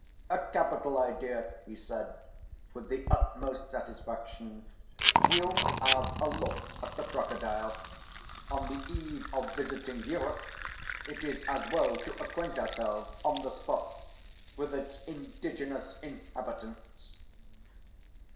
"A capital idea!" he said, with the utmost satisfaction. "We'll have a look at the crocodile! On the eve of visiting Europe it is as well to acquaint ourselves on the spot with its indigenous inhabitants."